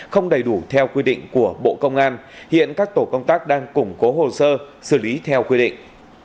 không đầy đủ theo quy định của bộ công an hiện các tổ công tác đang củng cố hồ sơ xử lý theo quy định